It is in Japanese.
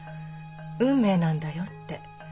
「運命なんだよ」って。